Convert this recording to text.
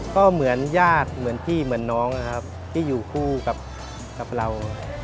ก็เหมือนญาติเหมือนพี่เหมือนน้องนะครับที่อยู่คู่กับเรา